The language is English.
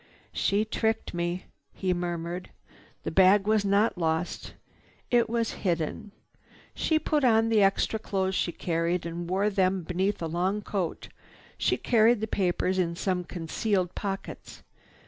"She tricked me," he murmured. "The bag was not lost. It was hidden. She put on the extra clothes she carried and wore them beneath a long coat. She carried the papers in some concealed pockets.